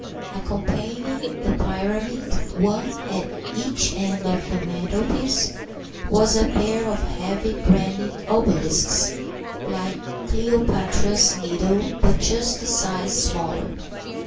Accompanying the pyramid—one at each end of the mantelpiece—was a pair of heavy granite obelisks (like Cleopatra's Needle, but just a size smaller).